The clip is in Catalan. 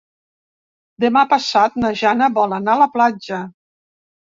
Demà passat na Jana vol anar a la platja.